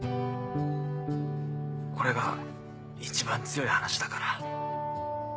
これが一番強い話だから。